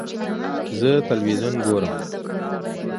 زه تلویزیون ګورم